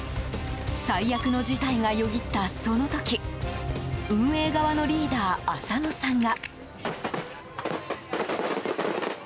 最悪の事態がよぎったその時運営側のリーダー浅野さんが。